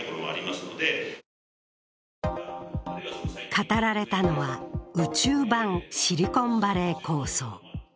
語られたのは、宇宙版シリコンバレー構想。